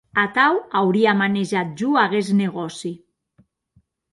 Atau auria manejat jo aguest negòci.